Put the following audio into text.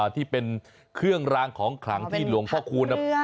ที่เป็นเครื่องรางของที่รวงพ่อคูณน่ะ